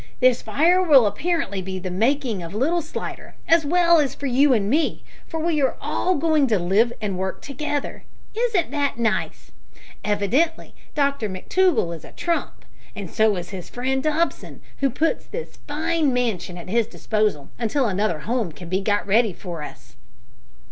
This fire will apparently be the making of little Slidder, as well as you and me, for we are all going to live and work together. Isn't that nice? Evidently Dr McTougall is a trump, and so is his friend Dobson, who puts this fine mansion at his disposal until another home can be got ready for us."